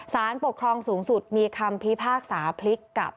สารปกครองสูงสุดมีคำพิพากษาพลิกกับ